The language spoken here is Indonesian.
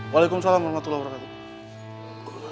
waalaikumsalam warahmatullahi wabarakatuh